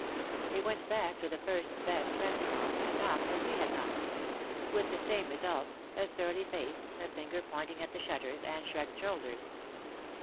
They went back to the first '' best restaurant," and knocked as we had knocked. With the same result, a surly face, a finger pointing at the shutters, and shrugged shoulders.